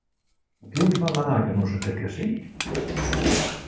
Qui els va manar que no s'aixequessin?